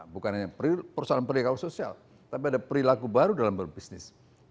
bukan hanya persoalan perdagangan sosial tapi ada perilaku baru dalam berbisnis